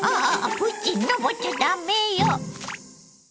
プチのぼっちゃダメよ！